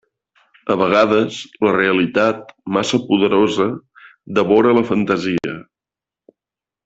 A vegades, la realitat, massa poderosa, devora la fantasia.